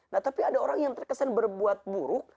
nah tapi ada orang yang terkesan berbuat buruk